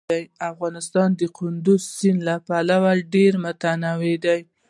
افغانستان د کندز سیند له پلوه ډېر متنوع دی.